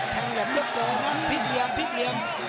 แทงแหลมเลือกเกินนะพริกเหลียมพริกเหลียม